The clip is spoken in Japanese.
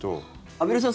畔蒜さん